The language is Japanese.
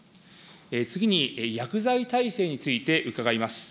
次に薬剤耐性について伺います。